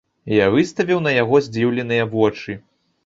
Я выставіў на яго здзіўленыя вочы.